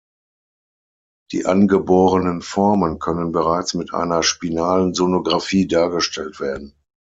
Die angeborenen Formen können bereits mit einer spinalen Sonographie dargestellt werden.